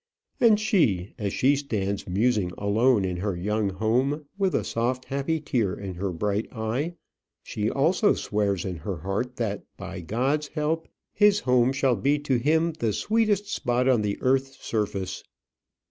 And she, as she stands musing alone in her young home, with a soft happy tear in her bright eye, she also swears in her heart that, by God's help, his home shall be to him the sweetest spot on the earth's surface.